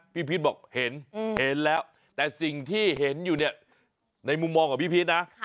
พีชบอกเห็นเห็นแล้วแต่สิ่งที่เห็นอยู่เนี่ยในมุมมองของพี่พีชนะ